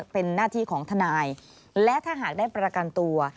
เป็นหน้าที่ของทนายและถ้าหากได้ประกันตัว